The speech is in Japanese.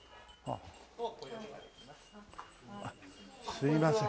すいません。